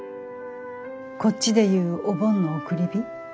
こっちで言うお盆の送り火。